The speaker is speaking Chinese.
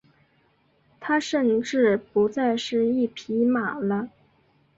他甚至不再是一匹马了。